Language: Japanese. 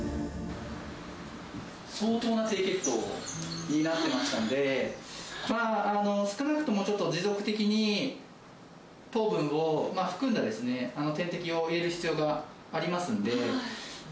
相当な低血糖になってましたんで、まあ、少なくともちょっと持続的に、糖分を含んだ点滴を入れる必要がありますんで。